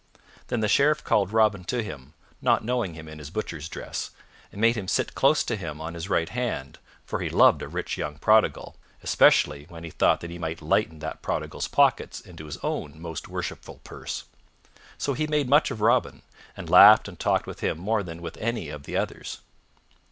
Then the Sheriff called Robin to him, not knowing him in his butcher's dress, and made him sit close to him on his right hand; for he loved a rich young prodigal especially when he thought that he might lighten that prodigal's pockets into his own most worshipful purse. So he made much of Robin, and laughed and talked with him more than with any of the others.